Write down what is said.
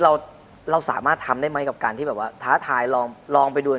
จริงเราสามารถทำได้ไหมกับการท้าทายลองไปดู